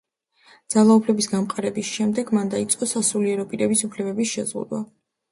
ძალაუფლების გამყარების შემდეგ, მან დაიწყო სასულიერო პირების უფლებების შეზღუდვა.